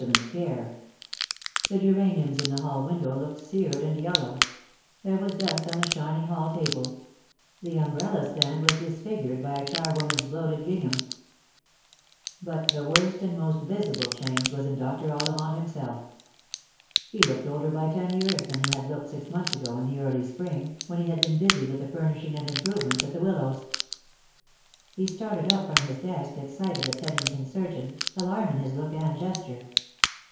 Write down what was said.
299 lant care. The geraniums in the hall window looked seared and yellow ; there was dust on the shining hall table ; the umbrella stand was disfigured by a charwoman's bloated gingham. But the worst and most visible change was in Dr. Ollivant himself. He looked older by ten years than he had looked six months ago in the early spring, when he had been busy with the furnishing and improvements at the Willows. He started up from his desk at sight of the Teddington 6urgeon, alarm in his look and gesture.